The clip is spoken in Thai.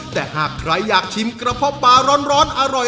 แต่หากใครอยากชิมกระเพาะปลาร้อนอร่อย